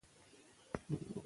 د غنمو کښت خورا ډیر ارزښت لری.